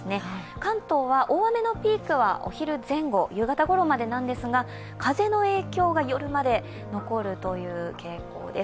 関東は大雨のピークはお昼前後夕方ごろまでなんですが風の影響が夜まで残るという傾向です。